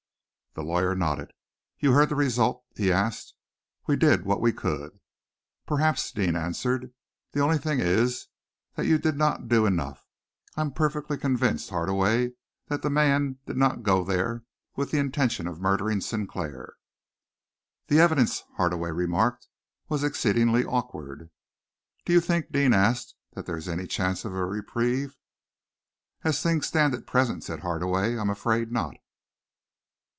The lawyer nodded. "You heard the result?" he asked. "We did what we could." "Perhaps," Deane answered. "The only thing is that you did not do enough. I am perfectly convinced, Hardaway, that that man did not go there with the intention of murdering Sinclair." "The evidence," Hardaway remarked, "was exceedingly awkward." "Do you think," Deane asked, "that there is any chance of a reprieve?" "As things stand at present," said Hardaway, "I am afraid not."